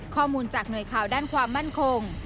ข้อมูลจากหน่วยข่าวด้านความมั่นคง